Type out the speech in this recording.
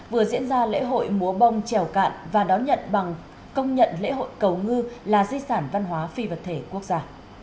vừa diễn ra lễ hội múa bông trèo cạn và đón nhận bằng công nhận lễ hội cầu ngư là di sản văn hóa phi vật thể quốc gia